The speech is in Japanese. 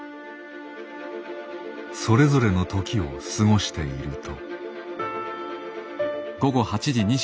それぞれの時を過ごしていると。